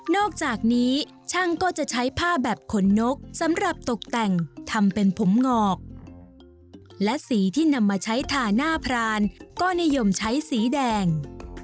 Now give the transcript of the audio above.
อกจากนี้ช่างก็จะใช้ผ้าแบบขนนกสำหรับตกแต่งทำเป็นผมงอกและสีที่นำมาใช้ทาหน้าพรานก็นิยมใช้สีแดง